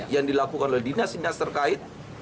yang dilakukan oleh dinas dinas terkait